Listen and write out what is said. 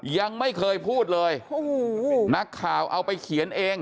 ยังไม่เคยพูดเลยโอ้โหนักข่าวเอาไปเขียนเอง